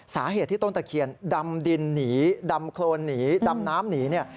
สาเหตุที่ต้นตะเคียนดำดินหนีดำโครนหนีดำน้ำหนีเนี่ย